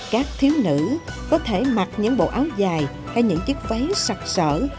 các thiếu nữ có thể mặc những bộ áo dài hay những chiếc váy sạc sở